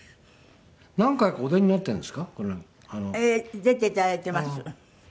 出て頂いています。